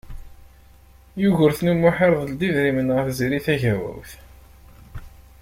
Yugurten U Muḥ irḍel-d idrimen ɣer Tiziri Tagawawt.